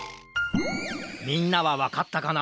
みんなはわかったかな？